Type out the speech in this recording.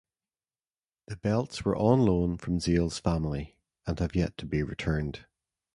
The belts were on loan from Zale's family, and have yet to be returned.